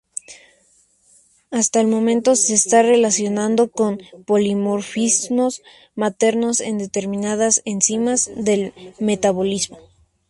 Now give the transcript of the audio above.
Hasta el momento, se está relacionando con polimorfismos maternos en determinadas enzimas del metabolismo.